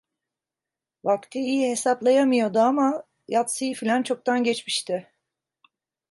Vakti iyi hesaplayamıyordu ama, yatsıyı filan çoktan geçmişti.